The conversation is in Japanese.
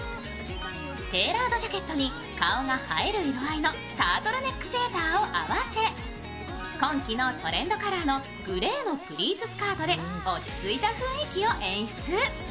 テーラードジャケットに顔が映える色合いのタートルネックセーターを合わせ今季のトレンドカラーのグレーのプリーツスカートで落ち着いた雰囲気を演出。